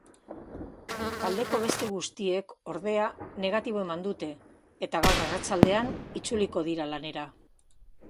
Taldeko beste guztiek ordea negatibo eman dute eta gaur arratsaldean itzuliko dira lanera.